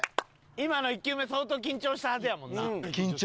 今の１球目相当緊張したはずやもんな。